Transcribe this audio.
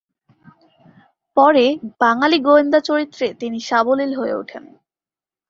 পরে বাঙালী গোয়েন্দা চরিত্রে তিনি সাবলীল হয়ে ওঠেন।